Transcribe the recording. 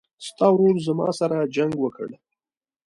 ستا ورور زما سره جنګ وکړ